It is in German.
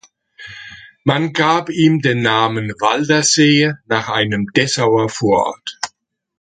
Man gab ihm den Namen Waldersee nach einem Dessauer Vorort.